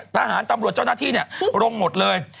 ทหารตำรวจเจ้าหน้าที่ลงหมดเลย